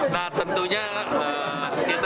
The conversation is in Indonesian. nah tentunya kita